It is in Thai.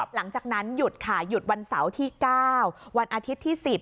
หลังจากนั้นหยุดค่ะหยุดวันเสาร์ที่๙วันอาทิตย์ที่๑๐